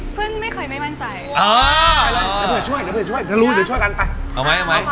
เพื่อนพี่ไม่ค่อยไม่มั่นใจ